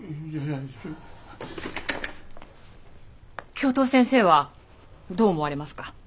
教頭先生はどう思われますか？